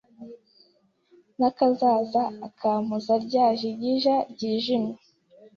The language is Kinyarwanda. Na Kazaza akampoza Ryajigija ryijimye